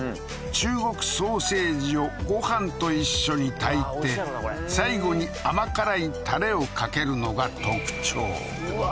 中国ソーセージをご飯と一緒に炊いて最後に甘辛いタレをかけるのが特徴うわ